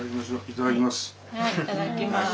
いただきます。